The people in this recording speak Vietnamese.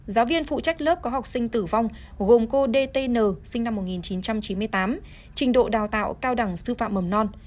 giáo viên phụ trách lớp có học sinh tử vong gồm cô dtn sinh năm một nghìn chín trăm chín mươi tám trình độ đào tạo cao đẳng sư phạm mầm non